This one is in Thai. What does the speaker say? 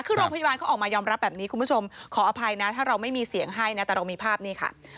คือโรงพยาบาลเขาออกมายอมรับแบบนี้คุณผู้ชมขออภัยนะถ้าเราไม่มีเสียงให้นะแต่เรามีภาพนี้ค่ะ